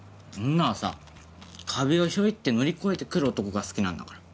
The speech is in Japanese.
女はさ壁をヒョイって乗り越えてくる男が好きなんだから。